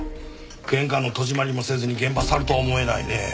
玄関の戸締まりもせずに現場去るとは思えないね。